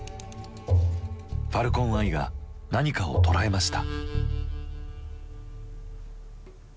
ファルコン・アイが何かを捉えました。